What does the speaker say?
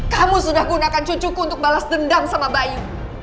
kamu sudah gunakan cucuku untuk balas dendam sama bayu